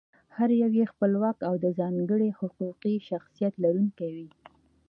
هر یو یې خپلواک او د ځانګړي حقوقي شخصیت لرونکی وي.